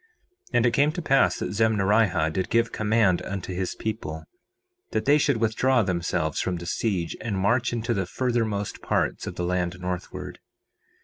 4:23 And it came to pass that Zemnarihah did give command unto his people that they should withdraw themselves from the siege, and march into the furthermost parts of the land northward.